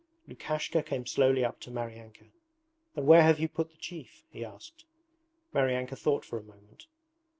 Lukashka came slowly up to Maryanka. 'And where have you put up the chief?' he asked. Maryanka thought for a moment.